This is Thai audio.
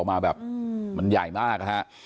ออกมาแบบมันใหญ่มากนะครับ